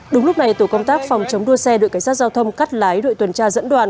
đúng lúc này tổ công tác phòng chống đua xe đội cảnh sát giao thông cắt lái đội tuần tra dẫn đoàn